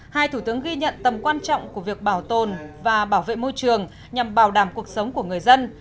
một mươi sáu hai thủ tướng ghi nhận tầm quan trọng của việc bảo tồn và bảo vệ môi trường nhằm bảo đảm cuộc sống của người dân